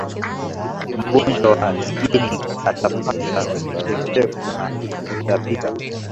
mgonjwa wa ini atapata kichefuchefu na kutapika